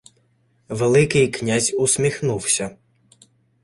Великий князь усміхнувся: